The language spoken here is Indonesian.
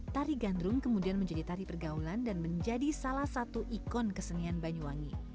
tari gandrung kemudian menjadi tari pergaulan dan menjadi salah satu ikon kesenian banyuwangi